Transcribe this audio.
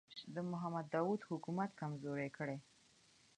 د محمد داوود حکومت کمزوری کړي.